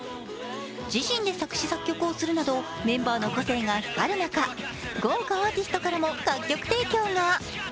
自身で作詞作曲をするなどメンバーの個性が光る中、豪華アーティストからも楽曲提供が。